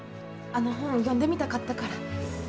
あの本読んでみたかったから。